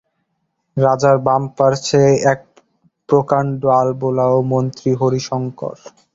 রাজার বাম পার্শ্বে এক প্রকাণ্ড আলবোলা ও মন্ত্রী হরিশংকর।